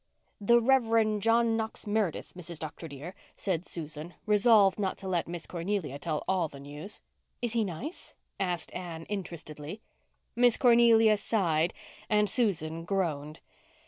"The Reverend John Knox Meredith, Mrs. Dr. dear," said Susan, resolved not to let Miss Cornelia tell all the news. "Is he nice?" asked Anne interestedly. Miss Cornelia sighed and Susan groaned.